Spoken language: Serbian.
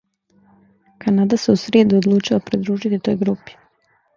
Канада се у сриједу одлучила придружити тој групи.